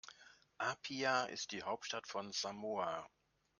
Apia ist die Hauptstadt von Samoa.